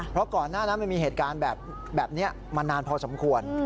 เพราะก่อนหน้านั้นมันมีเหตุการณ์แบบนี้มานานพอสมควร